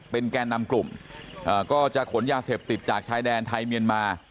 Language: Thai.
แกนนำกลุ่มก็จะขนยาเสพติดจากชายแดนไทยเมียนมา